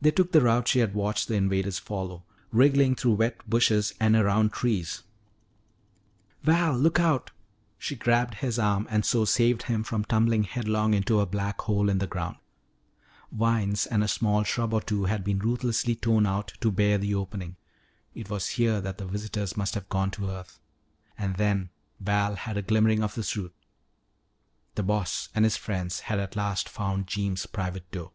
They took the route she had watched the invaders follow, wriggling through wet bushes and around trees. "Val, look out!" She grabbed his arm and so saved him from tumbling headlong into a black hole in the ground. Vines and a small shrub or two had been ruthlessly torn out to bare the opening. It was here that the visitors must have gone to earth. And then Val had a glimmering of the truth; the "Boss" and his friends had at last found Jeems' private door.